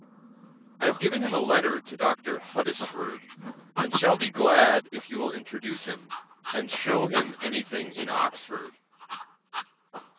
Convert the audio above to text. I have given him a letter to Dr. Huddesford, and shall be glad if you will introduce him, and shew him any thing in Oxford.